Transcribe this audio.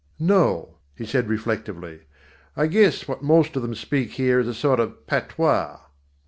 "No," he said reflectively, "I guess what most of them speak here is a sort of patois."